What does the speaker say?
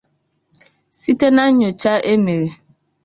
Site na nnyòcha e mere